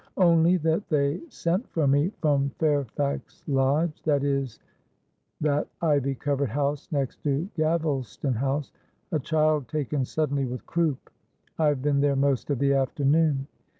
"Only that they sent for me from Fairfax Lodge, that is that ivy covered house next to Galvaston House. A child taken suddenly with croup. I have been there most of the afternoon."